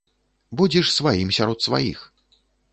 Будзеш сваім сярод сваіх.